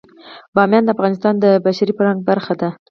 بامیان د افغانستان د بشري فرهنګ برخه ده.